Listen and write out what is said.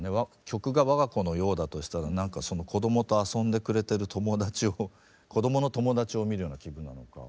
曲がわが子のようだとしたらなんかその子供と遊んでくれてる友達を子供の友達を見るような気分なのか。